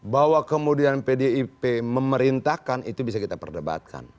bahwa kemudian pdip memerintahkan itu bisa kita perdebatkan